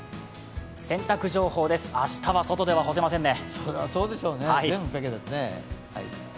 洗濯情報です明日は外で干せませんね。